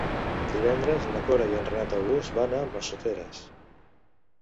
Divendres na Cora i en Renat August van a Massoteres.